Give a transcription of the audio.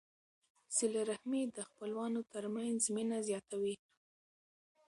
صله رحمي د خپلوانو ترمنځ مینه زیاتوي.